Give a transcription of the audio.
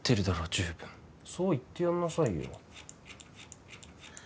十分そう言ってやんなさいよ